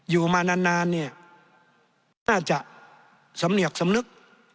อยู่มานานเนี่ยน่าจะสำเนียกสำนึก